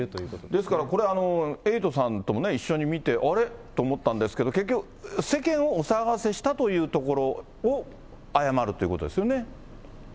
ですからこれ、エイトさんとも一緒に見て、あれ？と思ったんですけれども、結局世間をお騒がせしたというところを謝るということですよね。